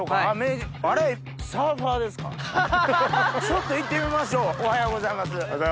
ちょっと行ってみましょうおはようございます。